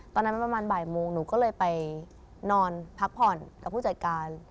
ตอนนั้นมันประมาณบ่ายโมงหนูก็เลยไปนอนพักผ่อนกับผู้จัดการ